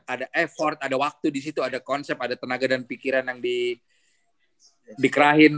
ada effort ada waktu disitu ada konsep ada tenaga dan pikiran yang dikerahin